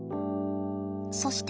そして。